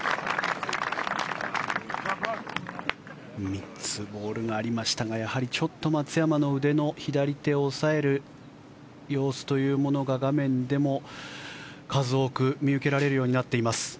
３つボールがありましたがちょっと松山の腕の左手を押さえる様子というものが画面でも数多く見受けられるようになっています。